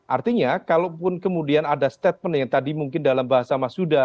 artinya kalaupun kemudian ada statement yang tadi mungkin dalam bahasa mas huda